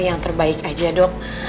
yang terbaik aja dok